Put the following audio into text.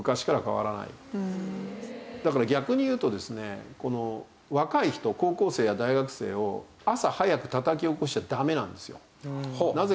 だから逆に言うとですね若い人高校生や大学生を朝早くたたき起こしちゃダメなんですよ。